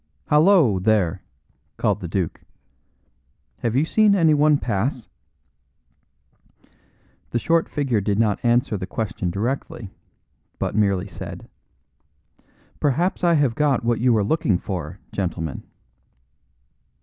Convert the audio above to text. "Hallo, there!" called out the duke. "Have you seen anyone pass?" The short figure did not answer the question directly, but merely said: "Perhaps I have got what you are looking for, gentlemen."